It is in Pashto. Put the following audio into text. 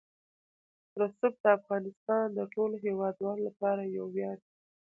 رسوب د افغانستان د ټولو هیوادوالو لپاره یو ویاړ دی.